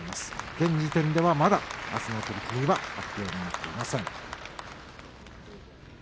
現時点ではまだ、あすの取組は決まっていません。